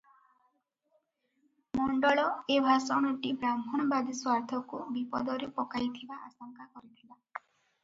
ମଣ୍ଡଳ ଏ ଭାଷଣଟି ବ୍ରାହ୍ମଣବାଦୀ ସ୍ୱାର୍ଥକୁ ବିପଦରେ ପକାଇଥିବା ଆଶଙ୍କା କରିଥିଲା ।